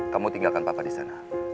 kamu tinggalkan papa disana